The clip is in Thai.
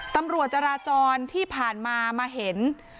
ตำรวจจราจรที่ผ่านมามาเห็น